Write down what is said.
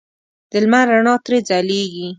د لمر رڼا ترې ځلېږي.